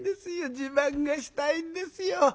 自慢がしたいんですよ。